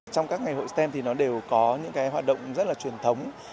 trong các ngày hội stem thì nó đều có những cái hoạt động rất là truyền thống